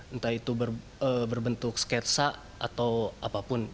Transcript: entah itu berbentuk sketsa atau apapun